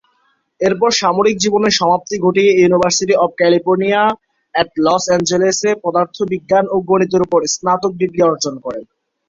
এরপর সামরিক জীবনের সমাপ্তি ঘটিয়ে university of California at Los এঞ্জেলেস-এ পদার্থবিজ্ঞান ও গণিতের উপর স্নাতক ডিগ্রি অর্জন করেন।